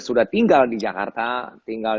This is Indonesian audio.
sudah tinggal di jakarta tinggal